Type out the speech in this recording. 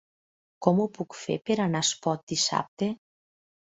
Com ho puc fer per anar a Espot dissabte?